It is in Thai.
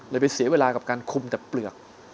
ไปเสียเวลากับการคุมแต่เปลือก